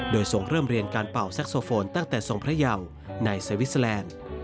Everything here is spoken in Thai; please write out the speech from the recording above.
โดยส่งเริ่มเรียนการเป่าแซ็กโซโฟนตั้งแต่ทรงพระเยาในสวิสเตอร์แลนด์